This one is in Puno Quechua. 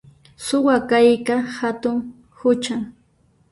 Suwa kayqa hatun huchan